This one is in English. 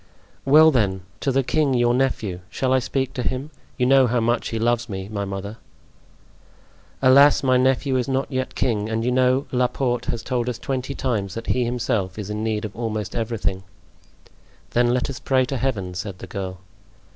"Well, then, to the king, your nephew. Shall I speak to him? You know how much he loves me, my mother. "Alas! my nephew is not yet king, and you know Laporte has told us twenty times that he himself is in need of almost everything." "Then let us pray to Heaven," said the girl.